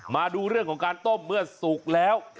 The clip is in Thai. มาดูเรื่องของการต้มเมื่อสุกแล้ว